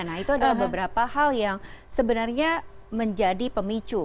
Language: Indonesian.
nah itu adalah beberapa hal yang sebenarnya menjadi pemicu